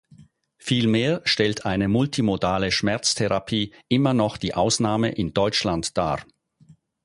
Vielmehr stellt eine multimodale Schmerztherapie immer noch die Ausnahme in Deutschland dar.